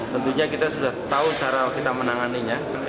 tentunya kita sudah tahu cara kita menanganinya